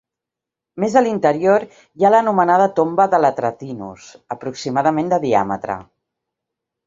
Més a l'interior hi ha l'anomenada tomba de L Atratinus, aproximadament de diàmetre.